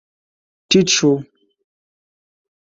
ټيټ شو.